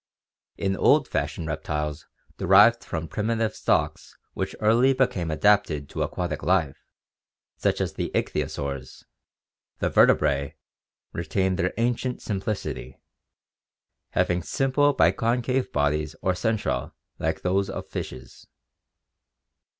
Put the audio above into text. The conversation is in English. In old fashioned reptiles derived from primitive stocks which early became adapted to aquatic life, such as the ichthyosaurs, the vertebra retain their ancient simplicity, having simple bicon cave bodies or centra like those of fishes.